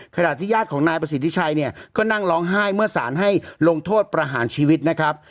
ขณะที่ญาติของนายประสิทธิชัยเนี่ยก็นั่งร้องไห้เมื่อสารให้ลงโทษประหารชีวิตนะครับ